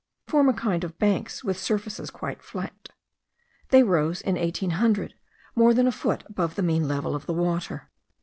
form a kind of banks with surfaces quite flat. They rose, in 1800, more than a foot above the mean level of the water.